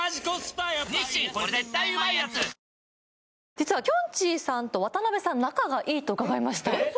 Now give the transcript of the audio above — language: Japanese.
実はきょんちぃさんと渡辺さん仲がいいと伺いましたえっ？